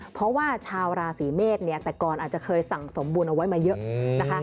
เพราะว่าชาวราศีเมษเนี่ยแต่ก่อนอาจจะเคยสั่งสมบูรณ์เอาไว้มาเยอะนะคะ